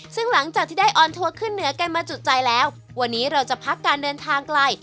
ซึ่งหลังจากที่ได้ออนทัวร์ขึ้นเหนือกันมาจุดใจแล้ววันนี้เราจะพักการเดินทางไกล